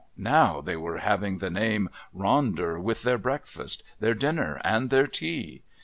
Now they were having the name "Ronder" with their breakfast, their dinner, and their tea.